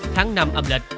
tháng năm âm lịch